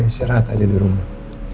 ya saya rahat aja di rumah